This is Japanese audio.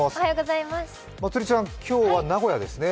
まつりちゃん、今日は名古屋ですね